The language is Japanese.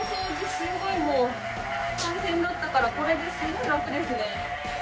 すごいもう大変だったからこれですごい楽ですね。